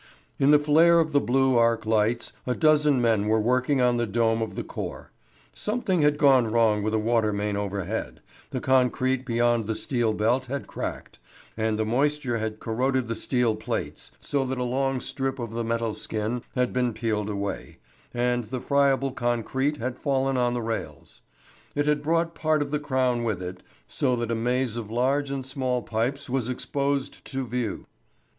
In the flare of the blue arc lights a dozen men were working on the dome of the core. Something had gone wrong with a water main overhead, the concrete beyond the steel belt had cracked, and the moisture had corroded the steel plates, so that a long strip of the metal skin had been peeled away, and the friable concrete had fallen on the rails. It had brought part of the crown with it, so that a maze of large and small pipes was exposed to view.